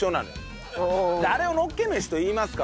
あれをのっけ飯といいますか？